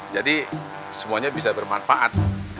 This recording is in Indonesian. jadi semuanya bisa bermanfaat